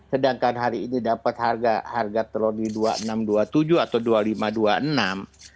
sedangkan hari ini dapat harga telur di rp dua puluh enam dua puluh tujuh atau rp dua puluh lima